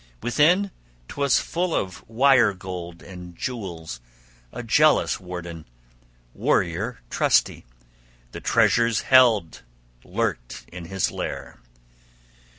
Within 'twas full of wire gold and jewels; a jealous warden, warrior trusty, the treasures held, lurked in his lair.